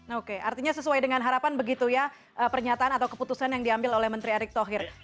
oke artinya sesuai dengan harapan begitu ya pernyataan atau keputusan yang diambil oleh menteri erick thohir